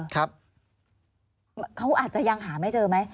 เขาอาจจะยังหาไม่เจอไหม